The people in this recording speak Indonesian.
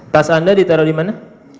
tas anda ditaruh di mana